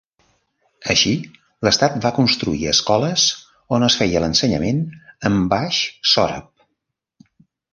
Així, l'estat va construir escoles on es feia l'ensenyament en baix sòrab.